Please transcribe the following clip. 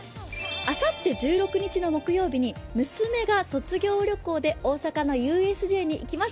あさって１６日の木曜日に娘が卒業旅行で大阪のＵＳＪに行きます。